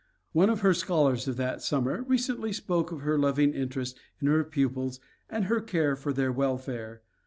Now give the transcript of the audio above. One of her scholars of that summer recently spoke of her loving interest in her pupils and her care for their welfare.